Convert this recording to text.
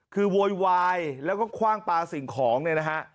คือโวยวายแล้วก็คว่างปลาสิ่งของเนี่ยนะฮะ